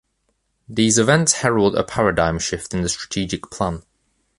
These events herald a paradigm shift in the strategic plan.